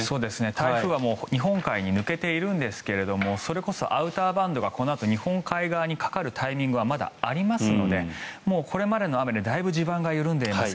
台風は日本海に抜けているんですがそれこそアウターバンドがこのあと日本海側にかかるタイミングはまだありますのでこれまでの雨でだいぶ地盤が緩んでいます。